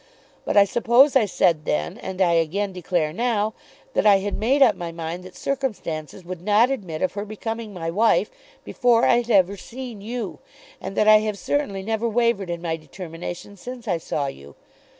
But I suppose I said then, and I again declare now, that I had made up my mind that circumstances would not admit of her becoming my wife before I had ever seen you, and that I have certainly never wavered in my determination since I saw you.